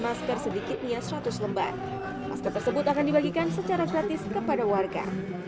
masker sedikitnya seratus lembar masker tersebut akan dibagikan secara gratis kepada warga